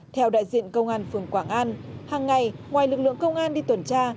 theo đại diện công an phường quảng an hàng ngày ngoài lực lượng công an đi tuần tra